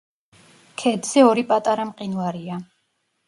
ქედზე ორი პატარა მყინვარია.